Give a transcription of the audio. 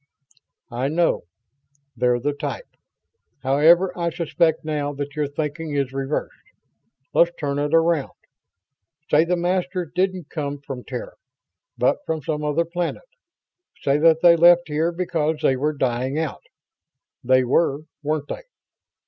"I know. They're the type. However, I suspect now that your thinking is reversed. Let's turn it around. Say the Masters didn't come from Terra, but from some other planet. Say that they left here because they were dying out. They were, weren't they?"